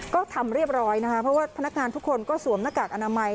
ก็ทำเรียบร้อยนะคะเพราะว่าพนักงานทุกคนก็สวมหน้ากากอนามัย